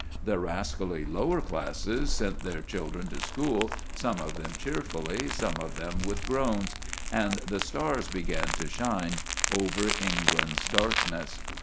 The rascally lower classes sent their children to school, some of them cheerfully, some of them with groans; and the stars began to shine over England's darkness.